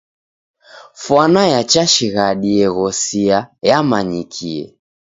Fwana ya chashighadi eghosia yamanyikie.